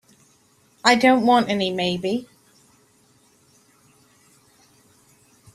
I don't want any maybe.